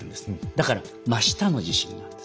だから真下の地震なんです。